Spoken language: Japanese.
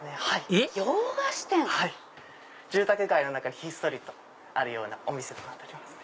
えっ⁉住宅街の中ひっそりとあるようなお店となっておりますね。